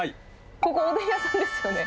ここ、おでん屋さんですよね。